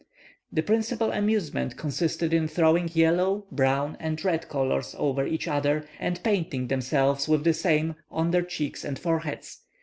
The principal amusement consisted in throwing yellow, brown, and red colours over each other, and painting themselves with the same on their cheeks and foreheads.